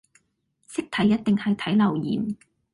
識睇一定係睇留言